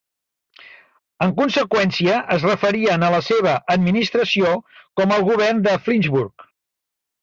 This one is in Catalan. En conseqüència, es referien a la seva administració con "el govern de Flensburg".